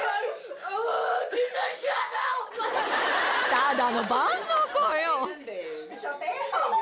ただのばんそうこうよ。